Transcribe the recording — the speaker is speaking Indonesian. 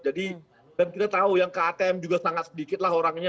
jadi dan kita tahu yang ktm juga sangat sedikit lah orangnya